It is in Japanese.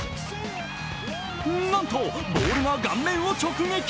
なんとボールが顔面を直撃。